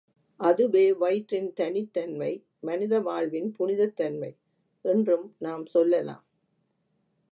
அதுவே வயிற்றின் தனித்தன்மை, மனித வாழ்வின் புனிதத் தன்மை என்றும் நாம் சொல்லலாம்.